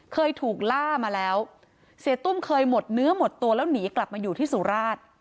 เคยถูกล่ามาแล้วเสียตุ้มเคยหมดเนื้อหมดตัวแล้วหนีกลับมาอยู่ที่สุราช